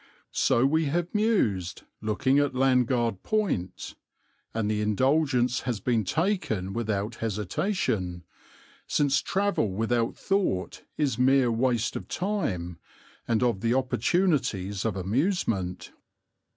So we have mused, looking at Landguard Point; and the indulgence has been taken without hesitation, since travel without thought is mere waste of time and of the opportunities of amusement.